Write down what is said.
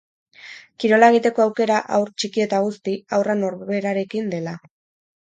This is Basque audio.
Kirola egiteko aukera, haur txiki eta guzti, haurra norberarekin dela.